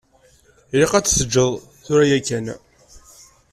Ilaq ad t-tgeḍ tura yakan.